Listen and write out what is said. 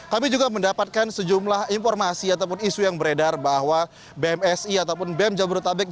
kami juga mendapatkan sejumlah informasi ataupun isu yang beredar bahwa bmsi ataupun bem jabodetabek